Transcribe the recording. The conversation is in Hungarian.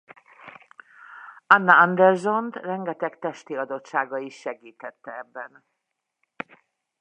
Anna Andersont rengeteg testi adottsága is segítette ebben.